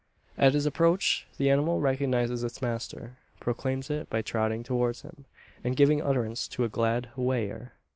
At his approach the animal recognises its master; proclaims it by trotting towards him, and giving utterance to a glad "whigher!"